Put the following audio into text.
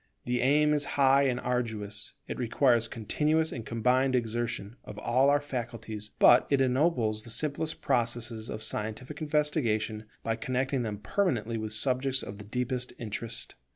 The aim is high and arduous; it requires continuous and combined exertion of all our faculties; but it ennobles the simplest processes of scientific investigation by connecting them permanently with subjects of the deepest interest.